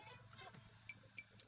gak ada nih